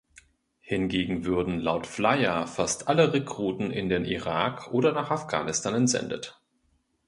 Hingegen würden laut Flyer fast alle Rekruten in den Irak oder nach Afghanistan entsendet“.